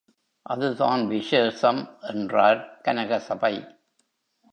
அதுதான் விசேஷம், என்றார் கனகசபை.